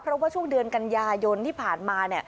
เพราะว่าช่วงเดือนกันยายนที่ผ่านมา